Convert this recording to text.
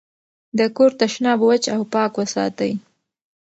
د کور تشناب وچ او پاک وساتئ.